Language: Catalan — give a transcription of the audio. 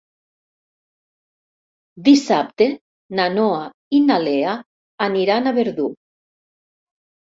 Dissabte na Noa i na Lea aniran a Verdú.